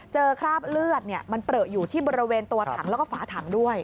เจอคราบเลือดเปลืออยู่ที่บริเวณทัวร์ทังแล้วก็ฝาทังด้วย